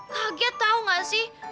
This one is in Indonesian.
kaget tau gak sih